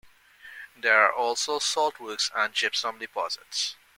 There are also salt works and gypsum deposits.